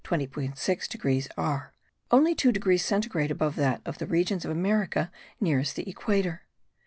6 degrees R.), only 2 degrees centigrade above that of the regions of America nearest the equator.